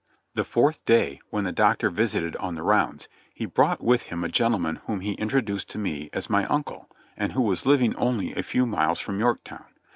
The fourth day, when the Doctor visited on the rounds, he brought with him a gentleman whom he introduced to me as my uncle, and who was living only a few miles from Yorktown.